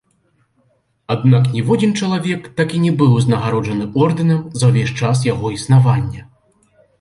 Аднак ніводзін чалавек так і не быў узнагароджаны ордэнам за ўвесь час яго існавання.